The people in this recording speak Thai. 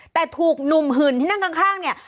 แต่ถูกหนุ่มหื่นที่นั่งข้างเนี่ย